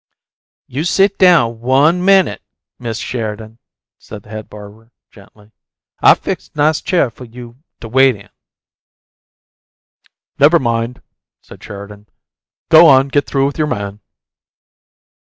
"You sit down ONE minute, Mist' Sheridan," said the head barber, gently. "I fix nice chair fo' you to wait in." "Never mind," said Sheridan. "Go on get through with your man."